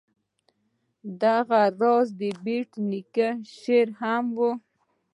دغه راز بېټ نیکه شاعر هم و.